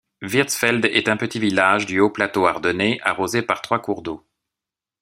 Wirtzfeld est un petit village du haut plateau ardennais arrosé par trois cours d'eau.